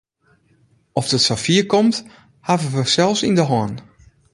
Oft it safier komt, hawwe we sels yn de hân.